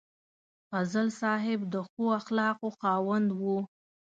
فضل صاحب د ښو اخلاقو خاوند و.